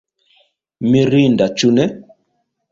Mirinda ĉu ne?